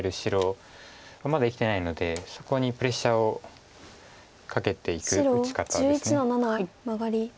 まだ生きてないのでそこにプレッシャーをかけていく打ち方です。